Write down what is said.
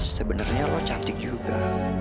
sebenarnya lo cantik juga